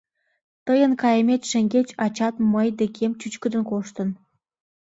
Тыйын кайымет шеҥгеч ачат мый декем чӱчкыдын коштын.